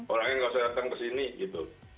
orangnya nggak usah datang ke sini gitu